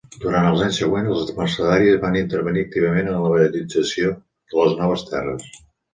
Durant els anys següents, els mercedaris van intervenir activament en l'evangelització de les noves terres.